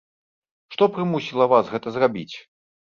Што прымусіла вас гэта зрабіць?